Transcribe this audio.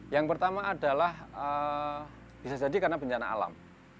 yang pertama adalah bisa jadi karena bencana alam